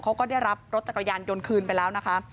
เขาก็ได้รับรถจักรยานยนต์คืนไปแล้วนะคะ